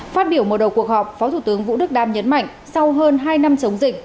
phát biểu mở đầu cuộc họp phó thủ tướng vũ đức đam nhấn mạnh sau hơn hai năm chống dịch